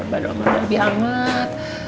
bisa lebih hangat